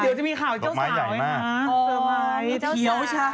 เดี๋ยวจะมีข่าวเจ้าสาวไหมคะสบายใหญ่มาก